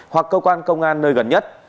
hoặc cơ quan công an nơi gần nhất